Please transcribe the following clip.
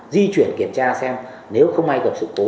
di chuyển kiểm tra xem nếu không ai gặp sự cố